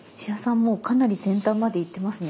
もうかなり先端までいってますね。